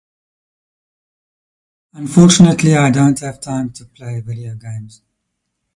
Unfortunately, I don't have time to play video games.